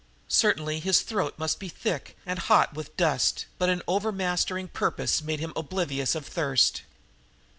Certainly his throat must be thick and hot with dust, but an overmastering purpose made him oblivious of thirst.